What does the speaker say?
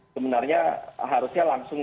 sebenarnya harusnya langsung